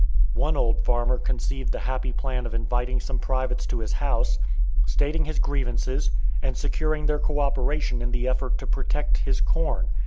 One old farmer conceived the happy plan of inviting some privates to his house, stating his grievances, and securing their coöperation in the effort to protect his corn.